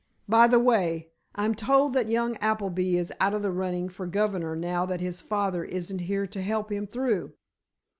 By the way, I'm told that young Appleby is out of the running for governor now that his father isn't here to help him through."